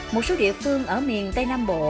một số địa phương ở miền tây nam bộ